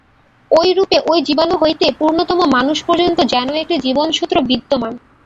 এইরূপে ঐ জীবাণু হইতে পূর্ণতম মানুষ পর্যন্ত যেন একটি জীবনসূত্র বিদ্যমান।